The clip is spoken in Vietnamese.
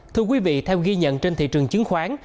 thưa quý vị theo ghi nhận trên thị trường chứng khoán